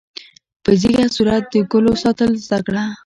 په ځیږه صورت د ګلو ساتل زده کړه.